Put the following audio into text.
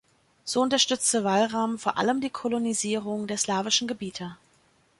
So unterstützte Walram vor allem die Kolonisierung der slawischen Gebiete.